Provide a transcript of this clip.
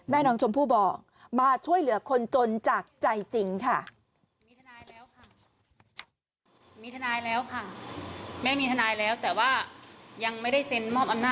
แม่น้องชมพู่บอกมาช่วยเหลือคนจนจากใจจริงค่ะ